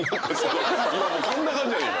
今もうこんな感じやねん。